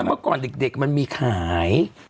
เมื่อก่อนเด็กมันมีขาย